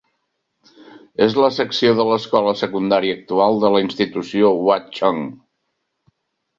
És la secció de l'escola secundària actual de la Institució Hwa Chong.